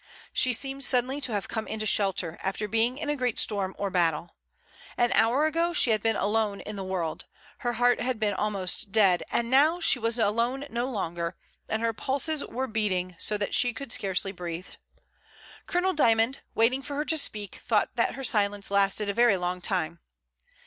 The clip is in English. She seemed sud denly to have come into shelter, after being in a great storm or battle. An hour ago she had been alone in all the world, her heart had seemed almost dead, and now she was alone no longer, and her pulses were beating so that she could scarcely breathe. Colonel Dymond waiting for her to speak, thought that her silence lasted a very long time.